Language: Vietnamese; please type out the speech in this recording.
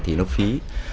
thì nó phí